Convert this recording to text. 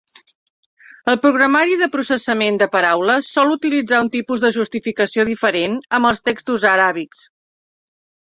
El programari de processament de paraules sol utilitzar un tipus de justificació diferent amb els textos aràbics.